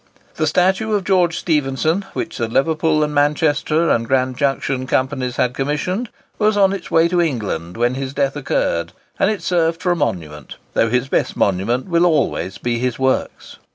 The statue of George Stephenson, which the Liverpool and Manchester and Grand Junction Companies had commissioned, was on its way to England when his death occurred; and it served for a monument, though his best monument will always be his works.